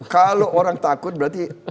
kalau orang takut berarti